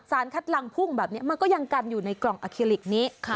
คัดลังพุ่งแบบนี้มันก็ยังกันอยู่ในกล่องอาเคลิกนี้